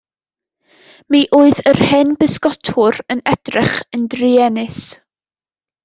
Mi oedd yr hen bysgotwr yn edrych yn druenus.